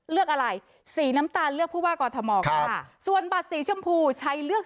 เลือกอะไรสีน้ำตาลเลือกผู้ว่ากอทมค่ะส่วนบัตรสีชมพูใช้เลือก